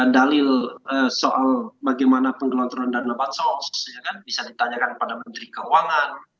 dalil soal bagaimana penggelontoran dana bansos bisa ditanyakan kepada menteri keuangan